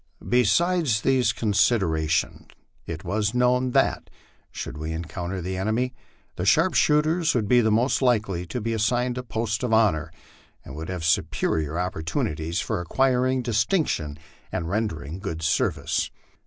Besides these considerations, it was known that, should we encounter the enemy, the sharp shooters would be most likely to be assigned a post of honor, and would have superior opportunities for acquiring distinction and rendering good service.